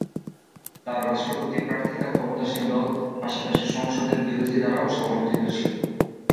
তার রাষ্ট্রপতি প্রার্থীতা ক্ষমতাসীন দল, পাশাপাশি সংসদের বিরোধী দ্বারাও সমর্থিত ছিল।